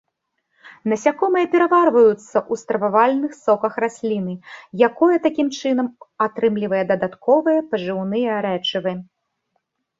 Насякомыя пераварваюцца ў стрававальных соках расліны, якое такім чынам атрымлівае дадатковыя пажыўныя рэчывы.